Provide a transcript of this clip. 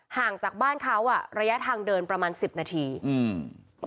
ห่างจากบ้านเขาอ่ะระยะทางเดินประมาณสิบนาทีอืม